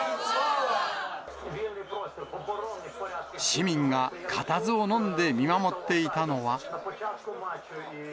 市民がかたずをのんで見守っていたのは。